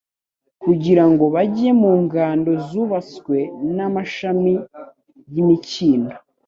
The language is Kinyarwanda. kugira ngo bajye mu ngando zubatswe " n'amashami y'imikindo,